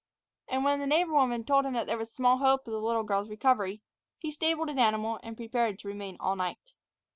And when the neighbor woman told him that there was small hope of the little girl's recovery, he stabled his animal, and prepared to remain all night.